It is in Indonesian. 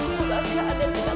makasih ya pak ya